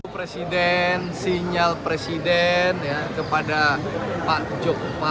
presiden sinyal presiden kepada pak jokowi